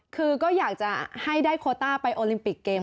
คือก็อยากจะให้ได้โคต้าไปโอลิมปิกเกม